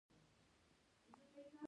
د کابل په موسهي کې د مسو نښې شته.